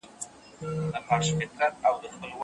ما د حیاء پردو کي پټي غوښتې